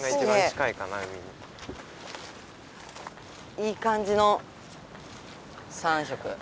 いい感じの３色。